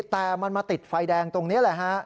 แต่มันมาติดไฟแดงตรงนี้แหละฮะ